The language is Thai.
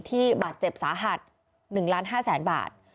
ที่บัตรเจ็บสาหัส๑๕ล้านบาท